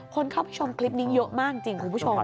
คนเข้าไปชมคลิปนี้เยอะมากจริงคุณผู้ชม